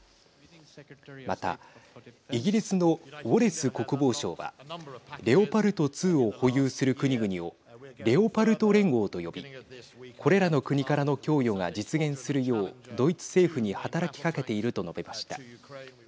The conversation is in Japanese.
またイギリスのウォレス国防相はレオパルト２を保有する国々をレオパルト連合と呼びこれらの国からの供与が実現するようドイツ政府に働きかけていると述べました。